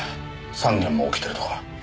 ３件も起きてるとか。